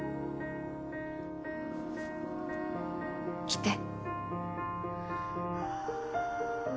来て。